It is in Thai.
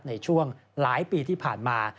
ในช่วงหลายปีที่ผ่านมา